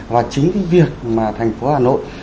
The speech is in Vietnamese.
và chính cái việc mà thành phố hà nội